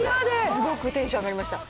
すごくテンション上がりました。